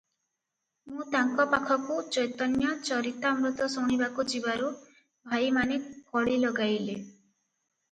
ମୁଁ ତାଙ୍କ ପାଖକୁ ଚୈତନ୍ୟ ଚରିତାମୃତ ଶୁଣିବାକୁ ଯିବାରୁ ଭାଇମାନେ କଳି ଲଗାଇଲେ ।